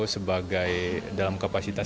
sebagai dalam kapasitas